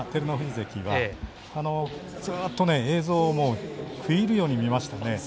関はずっと映像を食い入るように見ましたね。